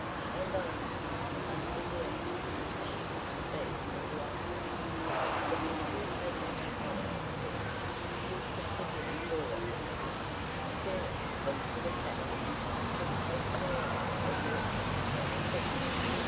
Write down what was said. I wonder at sister Deane,—she used to be more like me. But if you'll take my advice, Bessy, you'll put the dinner forrard a bit, sooner than put it back, because folks are late as ought to ha' known better."